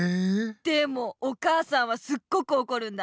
でもお母さんはすっごくおこるんだ。